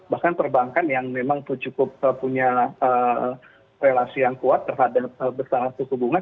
bahkan perbankan yang memang cukup punya relasi yang kuat terhadap besaran suku bunga